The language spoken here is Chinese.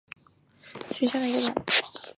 阔柄杜鹃为杜鹃花科杜鹃属下的一个种。